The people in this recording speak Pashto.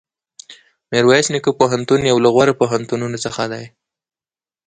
میرویس نیکه پوهنتون یو له غوره پوهنتونونو څخه دی.